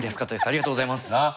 ありがとうございます。